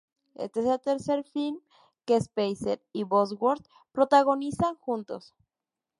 Este es el tercer film que Spacey y Bosworth protagonizan juntos.